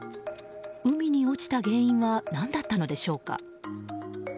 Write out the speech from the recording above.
海に落ちた原因は何だったのでしょうか。